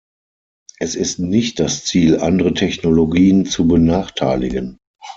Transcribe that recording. Es ist nicht das Ziel, andere Technologien zu benachteiligen.